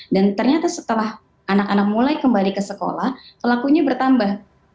ternyata setelah anak anak mulai kembali ke sekolah pelakunya bertambah